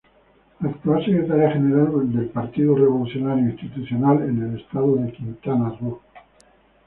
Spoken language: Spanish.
Actual Secretaria General del Partido Revolucionario Institucional en el estado de Quintana Roo.